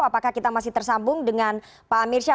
apakah kita masih tersambung dengan pak mirsya